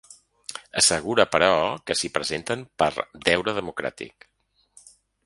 Assegura, però, que s’hi presenten per ‘deure democràtic’.